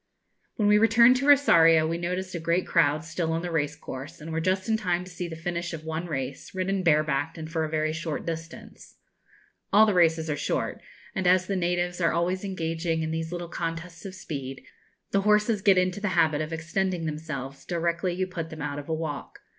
When we returned to Rosario we noticed a great crowd still on the race course, and were just in time to see the finish of one race, ridden barebacked, and for a very short distance. All the races are short; and as the natives are always engaging in these little contests of speed, the horses get into the habit of extending themselves directly you put them out of a walk.